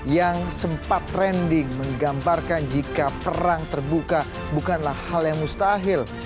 yang sempat trending menggambarkan jika perang terbuka bukanlah hal yang mustahil